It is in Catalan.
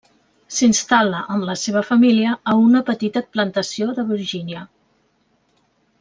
S'instal·la amb la seva família a una petita plantació de Virgínia.